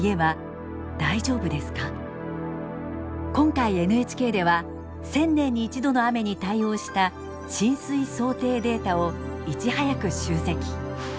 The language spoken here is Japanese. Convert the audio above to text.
今回ＮＨＫでは１０００年に１度の雨に対応した浸水想定データをいち早く集積。